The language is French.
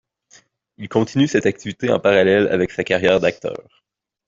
Il continue cette activité en parallèle avec sa carrière d'acteur.